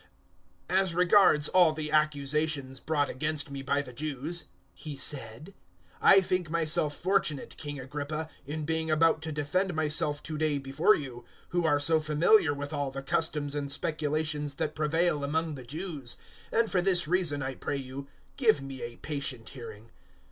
026:002 "As regards all the accusations brought against me by the Jews," he said, "I think myself fortunate, King Agrippa, in being about to defend myself to day before you, 026:003 who are so familiar with all the customs and speculations that prevail among the Jews; and for this reason, I pray you, give me a patient hearing.